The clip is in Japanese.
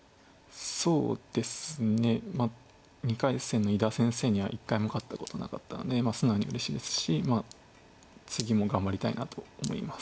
そうですね２回戦の伊田先生には一回も勝ったことなかったので素直にうれしいですし次も頑張りたいなと思います。